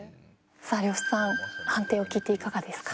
さあ呂布さん判定を聞いていかがですか？